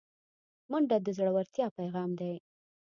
منډه د زړورتیا پیغام دی